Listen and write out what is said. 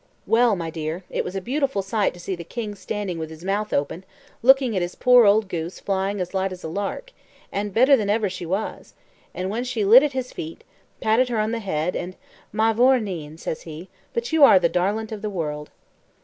Well, my dear, it was a beautiful sight to see the king standing with his mouth open, looking at his poor old goose flying as light as a lark, and better than ever she was: and when she lit at his feet, patted her on the head, and "Ma vourneen," says he, "but you are the darlint o' the world."